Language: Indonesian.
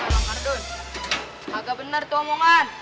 pak haji kagak bener itu omongan